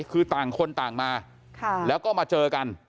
คือต่างคนต่างมาแล้วก็มาเจอกัน